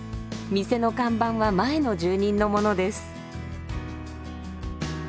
店の看板は前の住人のものです。